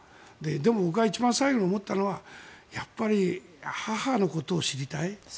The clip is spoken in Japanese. でも、僕は一番最後に思ったのはやっぱり母のことを知りたい。